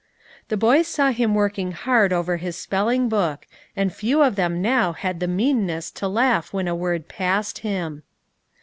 The boys saw him working hard over his spelling book, and few of them now had the meanness to laugh when a word passed him.